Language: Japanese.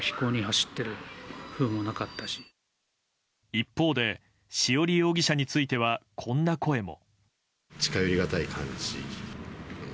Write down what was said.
一方で、潮理容疑者についてはこんな声も。